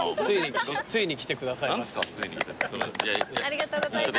ありがとうございます。